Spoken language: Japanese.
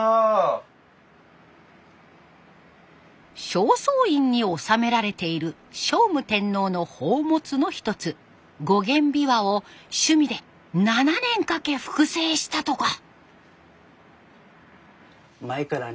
正倉院に収められている聖武天皇の宝物の一つ五弦琵琶を趣味で７年かけ複製したとか！